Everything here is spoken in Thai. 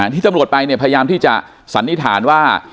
ที่ตำรวจไปเนี่ยพยายามที่จะสันนิษฐานว่า